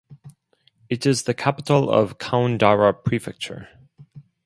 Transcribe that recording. It is the capital of Koundara Prefecture.